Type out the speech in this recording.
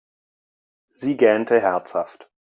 Sie gähnte herzhaft.